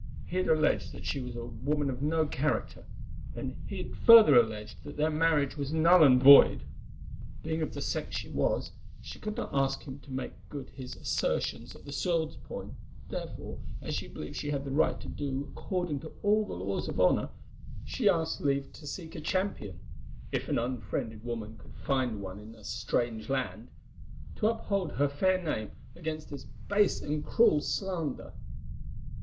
He had alleged that she was a woman of no character, and he had further alleged that their marriage was null and void. Being of the sex she was, she could not ask him to make good his assertions at the sword's point, therefore, as she believed she had the right to do according to all the laws of honour, she asked leave to seek a champion—if an unfriended woman could find one in a strange land—to uphold her fair name against this base and cruel slander."